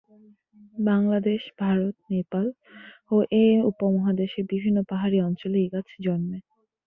বাংলাদেশ, ভারত, নেপাল ও এ উপমহাদেশের বিভিন্ন পাহাড়ি অঞ্চলে এই গাছ জন্মে।